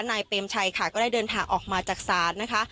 เปรมชัยค่ะก็ได้เดินทางออกมาจากศาลนะคะ